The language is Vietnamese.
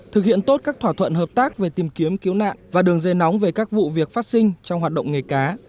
thực hiện tốt các thỏa thuận hợp tác về tìm kiếm cứu nạn và đường dây nóng về các vụ việc phát sinh trong hoạt động nghề cá